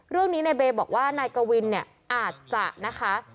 เรื่องนี้นายเบย์บอกว่านายกวินเนี่ยอาจจะนะคะ